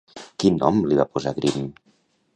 Quin nom li va posar Grimm?